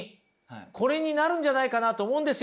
これになるんじゃないかなと思うんですよ